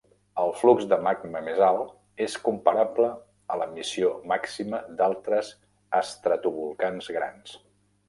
El flux de magma més alt és comparable a l"emissió màxima d"altres estratovolcans grans.